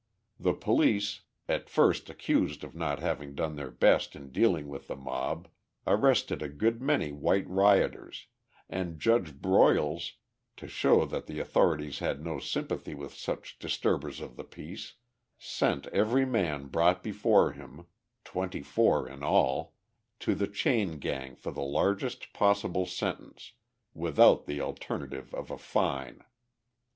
The police, at first accused of not having done their best in dealing with the mob, arrested a good many white rioters, and Judge Broyles, to show that the authorities had no sympathy with such disturbers of the peace, sent every man brought before him, twenty four in all, to the chain gang for the largest possible sentence, without the alternative of a fine.